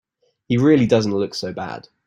He really doesn't look so bad.